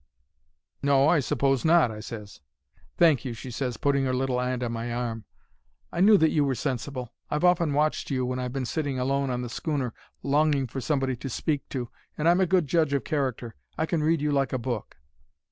"'No, I s'pose not,' I ses. "'Thank you,' she ses, putting 'er little 'and on my arm. 'I knew that you were sensible. I've often watched you when I've been sitting alone on the schooner, longing for somebody to speak to. And I'm a good judge of character. I can read you like a book.'